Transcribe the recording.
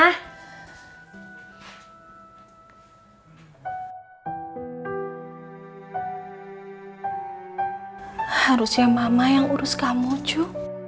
harusnya mama yang urus kamu cu